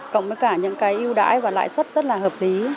cộng với cả những cái ưu đãi và lãi suất rất là hợp lý